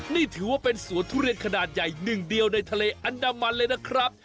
นี่ถือว่าเป็นสวนทุเรียนขนาดใหญ่หนึ่งเดียวในทะเลอันดามันเลยนะครับ